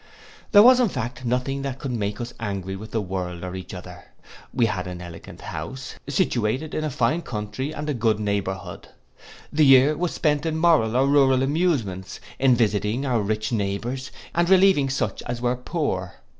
There was in fact nothing that could make us angry with the world or each other. We had an elegant house, situated in a fine country, and a good neighbourhood. The year was spent in moral or rural amusements; in visiting our rich neighbours, and relieving such as were poor.